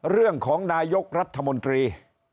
เรื่องของนายกรัฐมนตรี